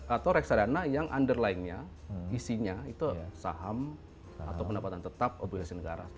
atau reksadana yang underline nya isinya itu saham atau pendapatan tetap obligasi negara